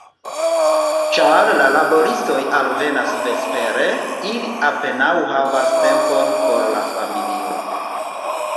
Ĉar la laboristoj alvenas vespere, ili apenaŭ havas tempon por la familio.